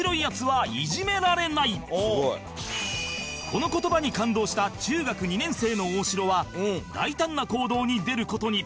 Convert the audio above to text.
この言葉に感動した中学２年生の大城は大胆な行動に出る事に